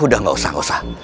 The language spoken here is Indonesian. udah gak usah usah